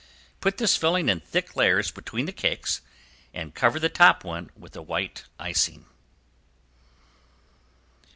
Put this filling in thick layers between the cakes and cover the top one with a white icing.